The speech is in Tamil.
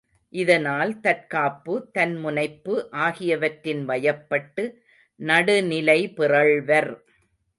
இதனால் தற்காப்பு, தன் முனைப்பு ஆகியனவற்றின் வயப்பட்டு நடுநிலை பிறழ்வர்.